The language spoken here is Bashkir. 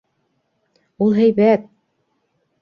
- Ул һәйбәт!